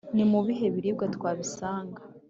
ni mu bihe biribwa twabisanga?